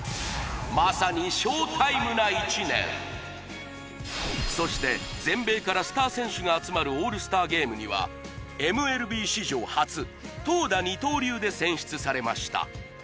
まさに「ＳＨＯ−ＴＩＭＥ」な一年そして全米からスター選手が集まるオールスターゲームにはＭＬＢ史上初投打二刀流で選出されました